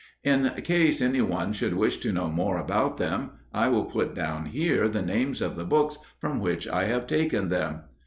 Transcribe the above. In case anyone should wish to know more about them, I will put down here the names of the books from which I have taken them.